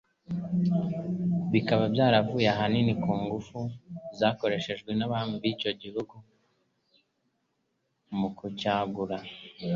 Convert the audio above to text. bikaba byaravuye ahanini ku ngufu zakoreshejwe n'Abami b'icyo gihugu mu kucyagura.